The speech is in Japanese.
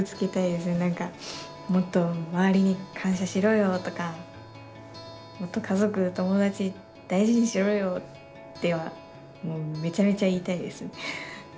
「もっと周りに感謝しろよ」とか「もっと家族友達大事にしろよ」ってはもうめちゃめちゃ言いたいですね。